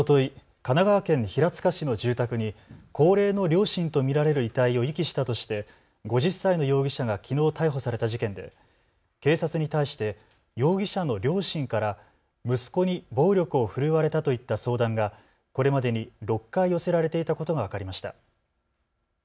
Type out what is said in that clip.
神奈川県平塚市の住宅に高齢の両親と見られる遺体を遺棄したとして５０歳の容疑者がきのう逮捕された事件で警察に対して容疑者の両親から息子に暴力を振るわれたといった相談がこれまでに６回寄せられていたことが分かりました。